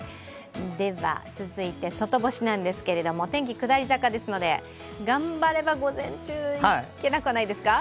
では続いて外干しなんですけれども、天気、下り坂ですので頑張れば午前中はいけなくはないですか？